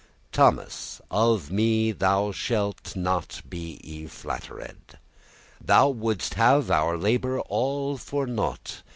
Thomas, of me thou shalt not be y flatter'd, Thou wouldest have our labour all for nought.